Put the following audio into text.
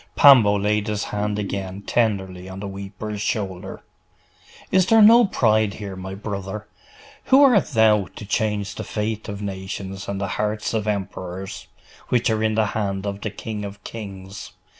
Pambo laid his hand again tenderly on the weeper's shoulder. 'Is there no pride here, my brother? Who art thou, to change the fate of nations and the hearts of emperors, which are in the hand of the King of kings?